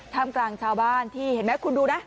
กลางชาวบ้านที่เห็นไหมคุณดูนะ